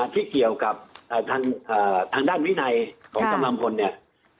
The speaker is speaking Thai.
ที่เกี่ยวกับทางด้านวินัยของกำลังพลเนี่ย